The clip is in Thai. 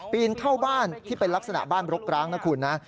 นเข้าบ้านที่เป็นลักษณะบ้านรกร้างนะคุณนะ